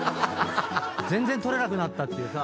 全然取れなくなったって。